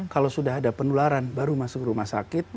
kalau sudah ada penularan baru masuk rumah sakit